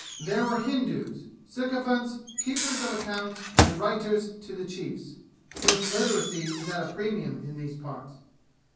There were Hindus sycophants, keepers of accounts and writers to the chiefs (since literacy is at premium in these parts).